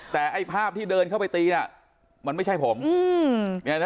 แต่ไอ้ภาพที่เดินเข้าไปตีมันไม่ใช่ผม